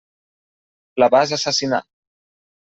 La vas assassinar.